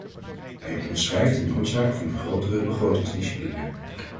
Hij onderschrijft de noodzaak van een grotere begrotingsdiscipline.